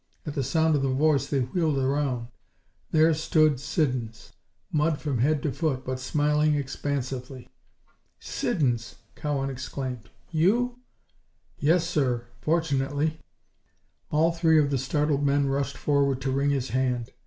At sound of the voice they wheeled around. There stood Siddons, mud from head to foot but smiling expansively. "Siddons!" Cowan exclaimed. "You?" "Yes, sir fortunately." All three of the startled men rushed forward to wring his hand.